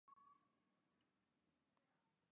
乾隆十三年戊辰科进士。